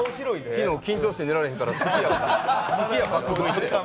昨日、緊張して寝られへんからすき家爆食いして。